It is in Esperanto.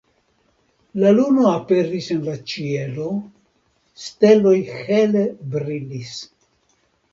La luno aperis en la ĉielo, steloj hele brilis.